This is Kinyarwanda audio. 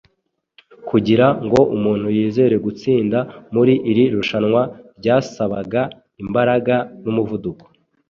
kugira ngo umuntu yizere gutsinda muri iri rushanwa ryasabaga imbaraga n’umuvuduko,